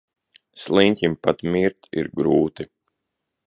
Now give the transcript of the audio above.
Sliņķim pat mirt ir grūti.